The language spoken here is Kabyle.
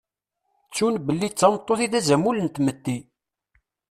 Ttun belli d tameṭṭut i d azamul n tmetti.